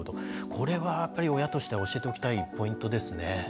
これはやっぱり親として教えておきたいポイントですね。